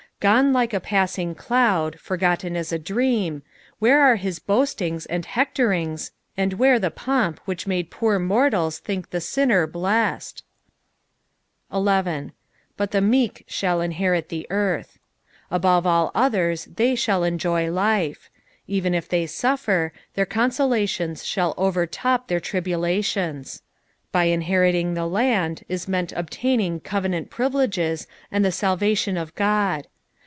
Qone like a passing cloud— forgotten as a dream — where are his boastings and hectorings, tod where the pomp which mode poor mortals think tho sinnir blest ! 11. " Bat the meet ihall inlierit the earth." Above all others they shall enjoy life. Even if they suffer, their consolations shall overtop their tribulations. By inberiting the land is meant obtaining covenant privileges and the salvation of God.